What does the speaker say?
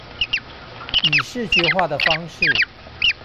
以視覺化的方式